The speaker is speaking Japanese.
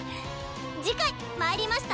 次回「魔入りました！